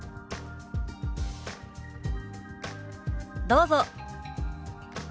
どうぞ。